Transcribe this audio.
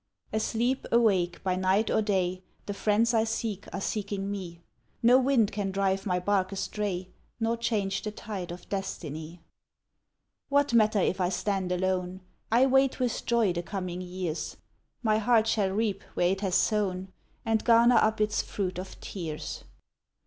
Asleep, awake, by night or day. The friends I seek are seeking me; No wind can drive my bark astray, Nor change the tide of destiny. What matter if I stand alone? I wait with joy the coming years; My heart shall reap where it has sown, And garner up its fruit of tears.